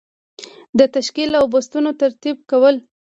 د تشکیل او بستونو ترتیب کول.